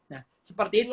nah seperti itu